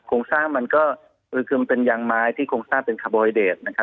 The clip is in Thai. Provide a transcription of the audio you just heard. โครงสร้างมันก็คือมันเป็นยางไม้ที่โครงสร้างเป็นคาร์บอยเดตนะครับ